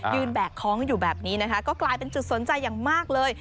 แบกคล้องอยู่แบบนี้นะคะก็กลายเป็นจุดสนใจอย่างมากเลย